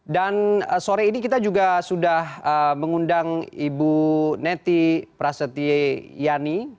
dan sore ini kita juga sudah mengundang ibu neti prasetya yani